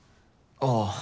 ああ。